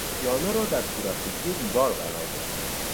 پیانو را در تورفتگی دیوار قرار دادیم.